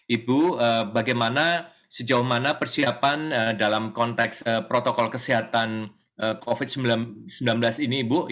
ibu bagaimana sejauh mana persiapan dalam konteks protokol kesehatan covid sembilan belas ini ibu